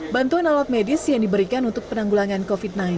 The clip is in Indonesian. bantuan alat medis yang diberikan untuk penanggulangan covid sembilan belas